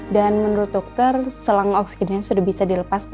dan menurut dokter selang oksigennya sudah bisa dilepas pak